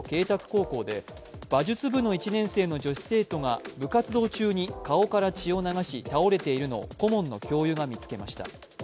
高校で馬術部の１年生の女子生徒が部活動中に顔から血を流し倒れているのを顧問の教諭が見つけました。